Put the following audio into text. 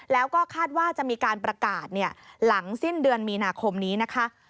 แล้วก็คาดว่าจะมีการประกาศหลังสิ้นเดือนมีนาคมนี้นะคะ